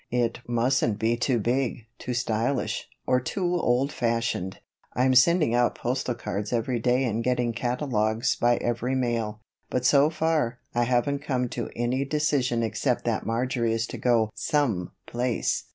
It mustn't be too big, too stylish, or too old fashioned. I'm sending out postal cards every day and getting catalogues by every mail; but so far, I haven't come to any decision except that Marjory is to go some place."